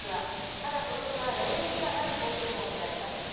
ただ、ことしは例年にはない光景も見られます。